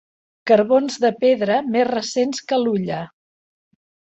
Carbons de pedra més recents que l'hulla.